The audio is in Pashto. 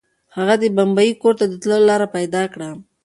هغه د ببۍ کور ته د تللو لپاره لاره پیدا کړه.